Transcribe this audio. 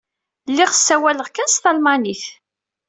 Lliɣ ssawaleɣ kan s talmanit.